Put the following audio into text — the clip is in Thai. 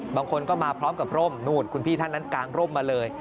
บางคนก็มาพร้อมกับร่มนู่นคุณพี่ท่านนั้นกางร่มมาเลย